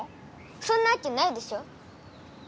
そんなわけないでしょ！